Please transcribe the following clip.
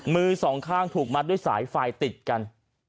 มือสองข้างถูกมัดด้วยสายไฟติดกัน